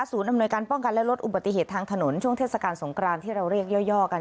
อำนวยการป้องกันและลดอุบัติเหตุทางถนนช่วงเทศกาลสงครานที่เราเรียกย่อกัน